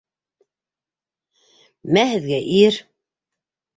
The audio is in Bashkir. Мә һеҙгә ир!